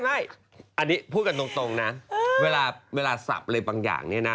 ไม่อันนี้พูดกันตรงนะเวลาสับอะไรบางอย่างเนี่ยนะ